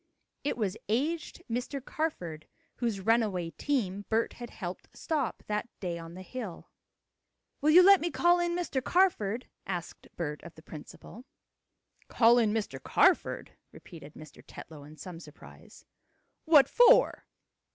It was aged Mr. Carford, whose runaway team Bert had helped stop that day on the hill. "Will you let me call in Mr. Carford?" asked Bert of the principal. "Call in Mr. Carford?" repeated Mr. Tetlow in some surprise. "What for?"